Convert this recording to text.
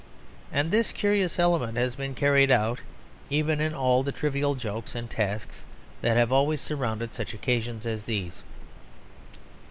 And this curious element has been carried out even in all the trivial jokes and tasks that have always surrounded such occasions as these.